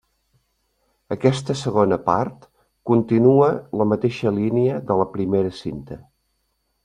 Aquesta segona part continua la mateixa línia de la primera cinta.